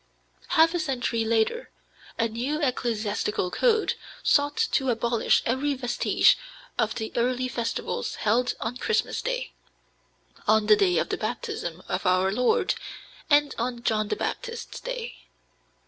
Half a century later, a new ecclesiastical code sought to abolish every vestige of the early festivals held on Christmas Day, on the Day of the Baptism, of Our Lord, and on John the Baptist's Day.